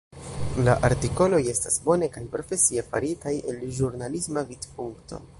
La artikoloj estas bone kaj profesie faritaj el ĵurnalisma vidpunkto.